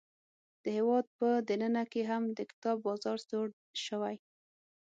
د هیواد په دننه کې هم د کتاب بازار سوړ شوی.